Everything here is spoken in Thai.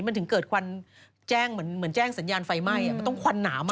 มันถึงเกิดควันแจ้งเหมือนแจ้งสัญญาณไฟไหม้มันต้องควันหนาม